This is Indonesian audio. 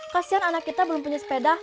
kasian anak kita belum punya sepeda